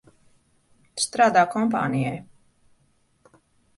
Strādā kompānijai.